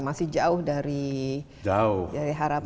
masih jauh dari harapan